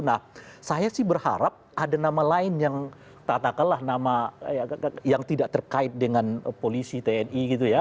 nah saya sih berharap ada nama lain yang katakanlah nama yang tidak terkait dengan polisi tni gitu ya